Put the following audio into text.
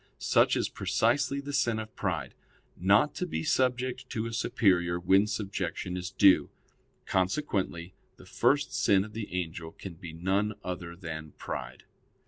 Such is precisely the sin of pride not to be subject to a superior when subjection is due. Consequently the first sin of the angel can be none other than pride.